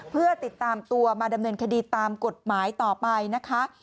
เพื่อติดตามตัวมาดำเนินคดีตามกฎหมายต่อไปนะคะ